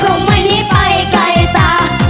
ผมไม่ได้ไปไกลจ๊ะ